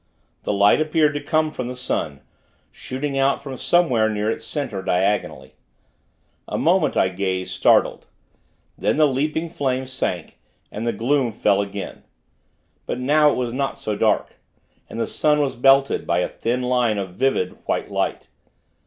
The light appeared to come from the sun shooting out from somewhere near its center, diagonally. A moment, I gazed, startled. Then the leaping flame sank, and the gloom fell again. But now it was not so dark; and the sun was belted by a thin line of vivid, white light.